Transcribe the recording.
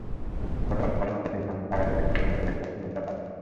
গতকাল সকালে মোস্তাফিজ ধানখেতে আগাছা পরিষ্কার করতে গেলে প্রতিপক্ষের লোকজন বাধা দেয়।